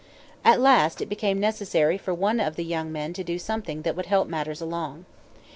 At last it became necessary for one of the young men to do something that would help matters along.